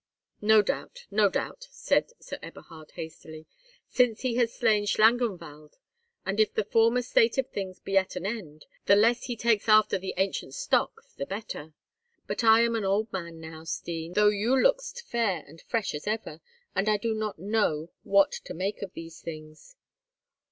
"No doubt—no doubt," said Sir Eberhard, hastily, "since he has slain Schlangenwald; and, if the former state of things be at an end, the less he takes after the ancient stock the better. But I am an old man now, Stine, though thou look'st fair and fresh as ever, and I do not know what to make of these things.